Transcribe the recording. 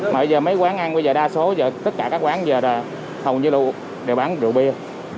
mà bây giờ mấy quán ăn bây giờ đa số tất cả các quán bây giờ là hầu như đều bán rượu bia